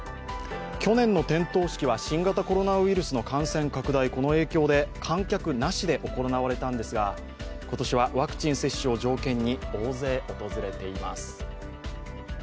去年の点灯式は新型コロナウイルスの感染拡大の影響で観客なしで行われたんですが今年はワクチン接種を条件に大勢訪れています。